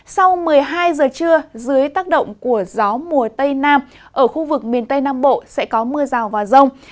sau một mươi hai giờ trưa dưới tác động của gió mùa tây nam ở khu vực miền tây nam bộ sẽ có mưa rào và rông